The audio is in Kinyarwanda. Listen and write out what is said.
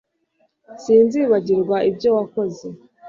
Sinzibagirwa ibyo wakoze